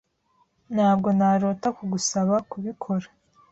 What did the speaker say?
Ntabwo narota kugusaba kubikora.